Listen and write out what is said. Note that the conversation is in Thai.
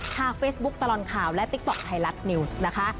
เฟซบุ๊คตลอดข่าวและติ๊กต๊อกไทยรัฐนิวส์นะคะ